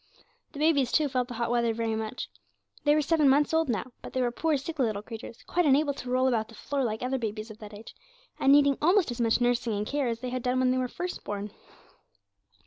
The babies, too, felt the hot weather very much. They were seven months old now, but they were poor sickly little creatures, quite unable to roll about the floor like other babies of that age, and needing almost as much nursing and care as they had done when they were first born.